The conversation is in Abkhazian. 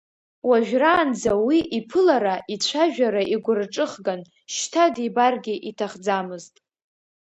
Уажәраанӡа уи иԥылара, ицәажәара игәырҿыхган, шьҭа дибаргьы иҭахӡамызт.